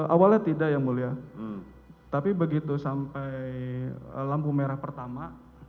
awalnya tidak ya mulia tapi begitu sampai lampu merah pertama